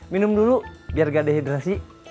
minum dulu biar gak dehidrasi